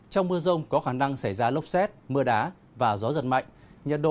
trong mưa rông có khả năng xảy ra lốc xét mưa đá và gió giật mạnh nhiệt độ từ hai mươi năm ba mươi một độ